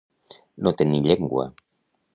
No tenir llengua.